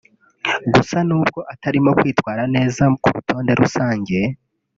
Gusa n’ubwo atarimo kwitwara neza ku rutonde rusange